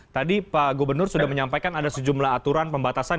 tadi pak gubernur sudah menyampaikan ada sejumlah aturan pembatasan